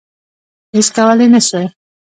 هیڅ کولای نه سوای.